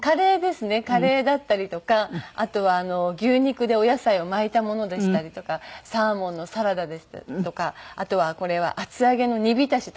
カレーだったりとかあとは牛肉でお野菜を巻いたものでしたりとかサーモンのサラダでしたりとかあとはこれは厚揚げの煮浸しとか。